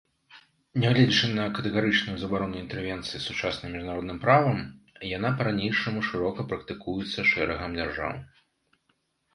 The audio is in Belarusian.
Нягледзячы на катэгарычную забарону інтэрвенцыі сучасным міжнародным правам, яна па-ранейшаму шырока практыкуецца шэрагам дзяржаў.